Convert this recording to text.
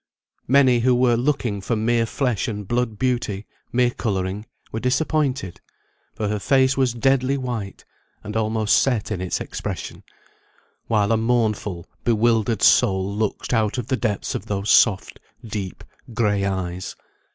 Many who were looking for mere flesh and blood beauty, mere colouring, were disappointed; for her face was deadly white, and almost set in its expression, while a mournful bewildered soul looked out of the depths of those soft, deep, gray eyes.